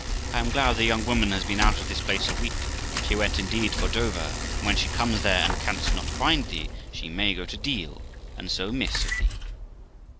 I am glad the young woman has been out of this place a week; she went indeed for Dover; and when she comes there and canst not find thee, she may go to Deal, and so miss of thee.